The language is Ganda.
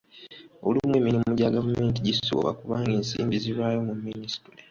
Olumu emirimu gya gavumemti gisooba kubanga ensimbi zirwayo mu Minisitule.